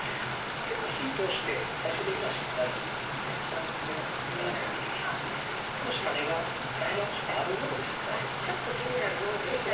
火ぃ通して最終的にはしんなりしますので大っきめの斜め切りに種がもしあるようでしたらちょっと気になるようでしたらね